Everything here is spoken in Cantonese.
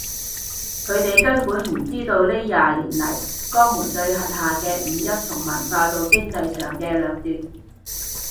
佢哋根本唔知道呢廿年嚟江門對轄下嘅五邑從文化到經濟上嘅掠奪